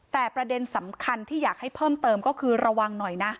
แต่ประเด็นสำคัญที่อยากให้เพิ่มเติมก็คือระวังหน่อยนะ